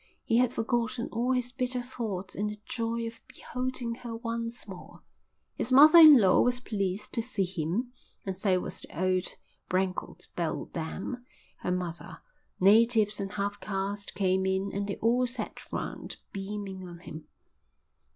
He had forgotten all his bitter thoughts in the joy of beholding her once more. His mother in law was pleased to see him, and so was the old, wrinkled beldame, her mother; natives and half castes came in, and they all sat round, beaming on him.